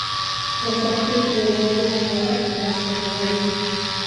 په سختۍ کې یوازې خدای مرسته کولی شي.